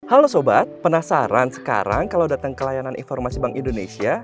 halo sobat penasaran sekarang kalau datang ke layanan informasi bank indonesia